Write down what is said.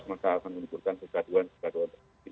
maka akan menimbulkan kegaduhan kegaduhan